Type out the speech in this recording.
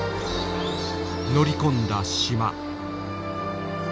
乗り込んだ島。